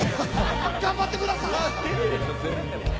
頑張ってください。